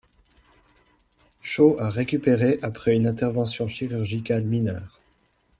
Shaw a récupéré après une intervention chirurgicale mineure.